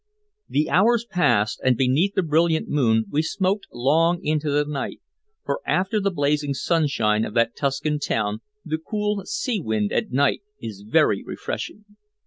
The hours passed, and beneath the brilliant moon we smoked long into the night, for after the blazing sunshine of that Tuscan town the cool sea wind at night is very refreshing.